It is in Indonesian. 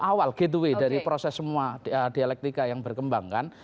awal gateway dari proses semua dialektika yang berkembang kan